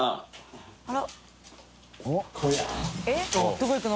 どこ行くの？